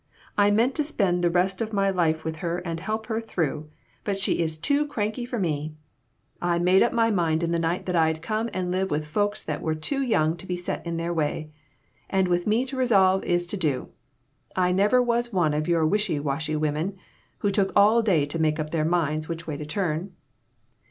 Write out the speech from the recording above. I meant to spend the rest of my life with her and help her through ; but she is too 82 A SMOKY ATMOSPHERE. cranky for me. I made up my mind in the night that I'd come and live with folks that were too young to be so set in their way. And with me to resolve is to do ; I never was one of your wishy washy women who took all day to make up their minds which way to turn.